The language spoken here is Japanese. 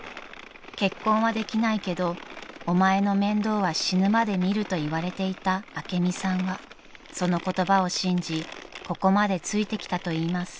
［結婚はできないけどお前の面倒は死ぬまで見ると言われていた朱美さんはその言葉を信じここまでついてきたといいます］